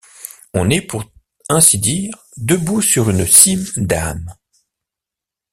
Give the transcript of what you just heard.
On est, pour ainsi dire, debout sur une cime d’âmes.